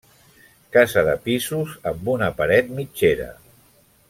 Casa de pisos amb una paret mitgera.